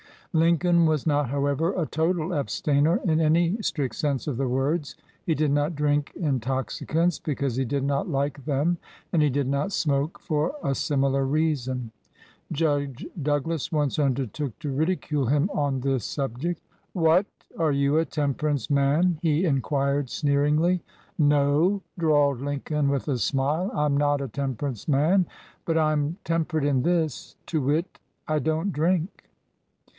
Lincoln was not, however, a total abstainer in any strict sense of the words. He did not drink intoxicants because he did not like them, and he did not smoke for a similar reason. Judge Douglass once undertook to ridicule him on this subject. "What! Are you a temperance man?" he in quired sneeringly. "No," drawled Lincoln, with a smile, "I'm not a temperance man, but I'm temperate in this, to wit, — I don't drink."